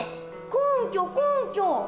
根拠根拠。